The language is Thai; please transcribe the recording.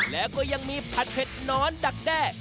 แล้วก็ยังมีผัดเผ็ดน้อนดักแด้